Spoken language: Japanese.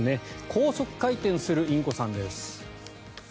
高速回転するインコさんです。